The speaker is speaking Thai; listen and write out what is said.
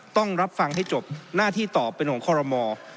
ต้องรับฟังให้จบหน้าที่ตอบเป็นของคอรมอ